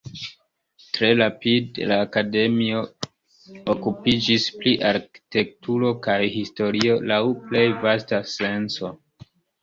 Tre rapide, la Akademio okupiĝis pri arkitekturo kaj historio laŭ plej vasta senco.